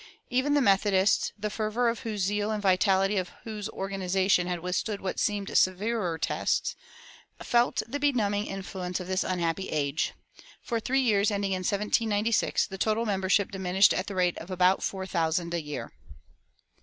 Even the Methodists, the fervor of whose zeal and vitality of whose organization had withstood what seemed severer tests, felt the benumbing influence of this unhappy age. For three years ending in 1796 the total membership diminished at the rate of about four thousand a year.